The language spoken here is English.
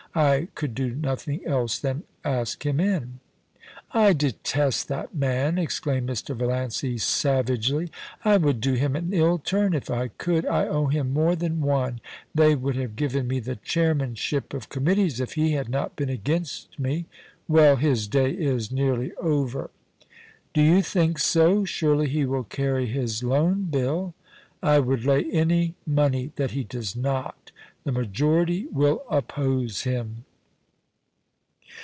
I could do nothing else than ask him in.* ' I detest that man !* exclaimed Mr. Valiancy, savagely. * I would do him an ill turn if I could. I owe him more than one. They would have given me the chairmanship of committees if he had not been against me. Well, his day is nearly over.' * Do you think so ? Surely he will carry his Loan Bill* ' I would lay any money that he does not The majority will oppose him.